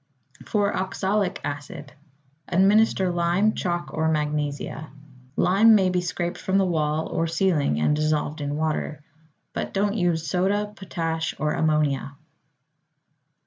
=For Oxalic Acid.= Administer lime, chalk, or magnesia. Lime may be scraped from the wall or ceiling and dissolved in water, but don't use soda, potash, or ammonia.